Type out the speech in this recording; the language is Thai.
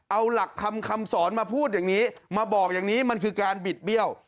เอาหลักคำคำสอนมาพูดอย่างนี้มาบอกอย่างนี้มันคือการบิดเบี้ยว